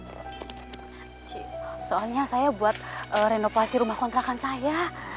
soalnya saya buat renovasi rumah kontrakan saya